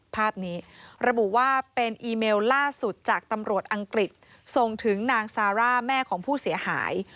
ภาพนี้ระบุว่าเป็นอีเมลล่าสุดจากตำรวจอังกฤษส่งถึงนางซาร่าแม่ของผู้เสียหาย